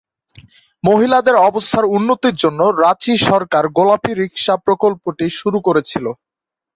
মহিলাদের অবস্থার উন্নতির জন্য রাঁচি সরকার গোলাপী রিকশা প্রকল্পটি শুরু করেছিল।